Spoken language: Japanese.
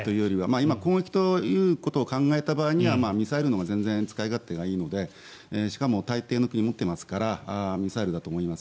今攻撃ということを考えた場合にはミサイルのほうが全然使い勝手がいいのにしかも大抵の国は持っていますからミサイルだと思います。